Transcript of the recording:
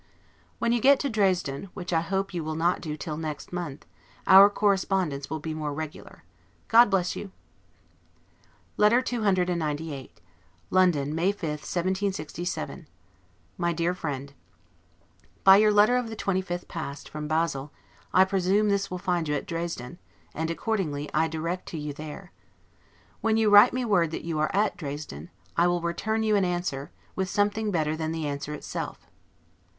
When you get to Dresden, which I hope you will not do till next month, our correspondence will be more regular. God bless you! LETTER CCXCVIII LONDON, May 5, 1767, MY DEAR FRIEND: By your letter of the 25th past, from Basle, I presume this will find you at Dresden, and accordingly I direct to you there. When you write me word that you are at Dresden, I will return you an answer, with something better than the answer itself.